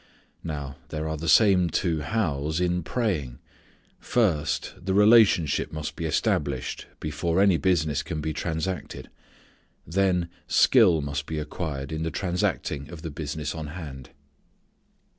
Now there are the same two how's in praying. First the relationship must be established before any business can be transacted. Then skill must be acquired in the transacting of the business on hand.